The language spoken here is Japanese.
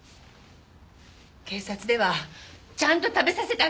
警察ではちゃんと食べさせてあげてるんでしょうね？